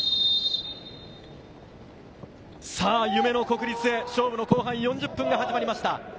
夢の国立で勝負の後半４０分が始まりました。